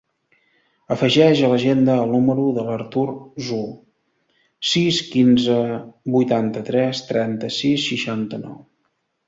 Afegeix a l'agenda el número de l'Artur Zhou: sis, quinze, vuitanta-tres, trenta-sis, seixanta-nou.